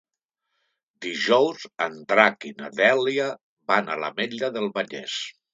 Dijous en Drac i na Dèlia van a l'Ametlla del Vallès.